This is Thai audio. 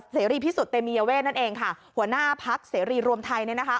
เสรีพิสุทธิเตมียเวทนั่นเองค่ะหัวหน้าพักเสรีรวมไทยเนี่ยนะคะ